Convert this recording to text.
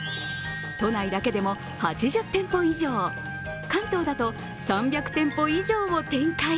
都内だけでも８０店舗以上、関東だと３００店舗以上を展開。